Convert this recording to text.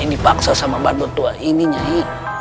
dipaksa sama pak doktua ini nyai